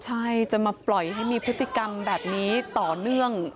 ใช่จะมาปล่อยให้มีพฤติกรรมแบบนี้ต่อเนื่อง